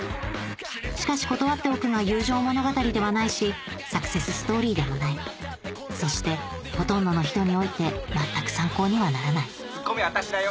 しかし断っておくが友情物語ではないしサクセスストーリーでもないそしてほとんどの人において全く参考にはならないツッコミは私だよ！